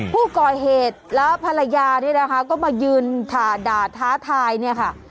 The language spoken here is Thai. ผู้ก่อเหตุแล้วภรรยานี่นะคะก็มายืนด่าท้าทายเนี่ยค่ะ